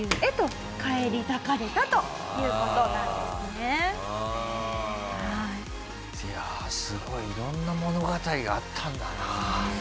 うーん！いやすごいいろんな物語があったんだな。